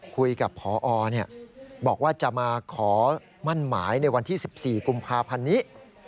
คุยกับพอบอกว่าจะมาขอมั่นหมายในวันที่๑๔กุมภาพันธ์นี้